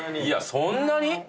いやそんなに？